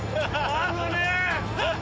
危ねえ！